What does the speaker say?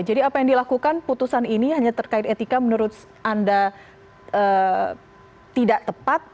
jadi apa yang dilakukan putusan ini hanya terkait etika menurut anda tidak tepat